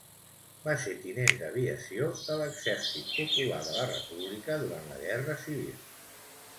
Va ser tinent d'aviació de l'Exèrcit Popular de la República durant la Guerra Civil.